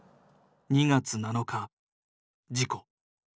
２月７日事故。